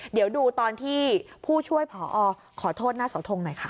เดี๋ยวดูตอนที่ผู้ช่วยผอขอโทษหน้าเสาทงหน่อยค่ะ